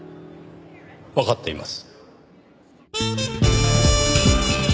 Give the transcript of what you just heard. わかっています。